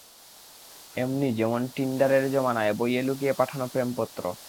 এমনি যেমন, টিন্ডারের জমানায়, বইয়ে লুকিয়ে পাঠানো প্রেমপত্র।